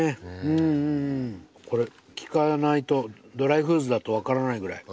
これ聞かないとドライフーズだと分からないぐらい。